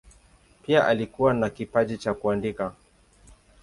Pia alikuwa na kipaji cha kuandika.